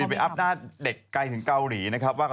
ไปทำใกล้ขึ้นเกาหลี